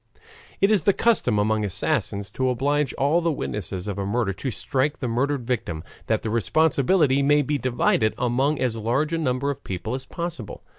It is the custom among assassins to oblige all the witnesses of a murder to strike the murdered victim, that the responsibility may be divided among as large a number of people as possible.